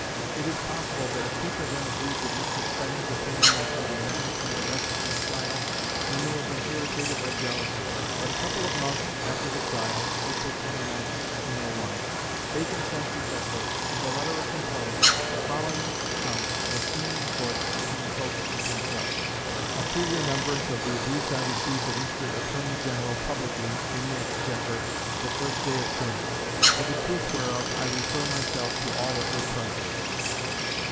It is possible that if people then agreed with Mr. Spedding's opinion as to the management of Essex's trial, he may have been irritated by jealousy; but a couple of months after the trial (April 29, 1601) Bacon sent to Cecil, with a letter of complaint, the following account of a scene in Court between Coke and himself: "_A true remembrance of the abuse I received of Mr. Attorney General publicly in the Exchequer the first day of term; for the truth whereof I refer myself to all that were present.